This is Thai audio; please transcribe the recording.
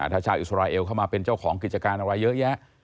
ถ้าชาวอิสราเอลเข้ามาเป็นเจ้าของกิจการอะไรเยอะแยะ